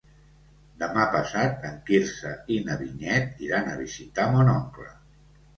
Demà passat en Quirze i na Vinyet iran a visitar mon oncle.